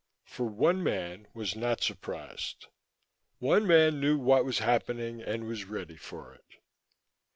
For one man was not surprised; one man knew what was happening and was ready for it.